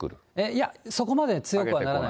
いや、そこまで強くはならない。